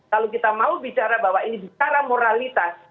kalau kita mau bicara bahwa ini bicara moralitas